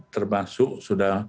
termasuk sudah berhenti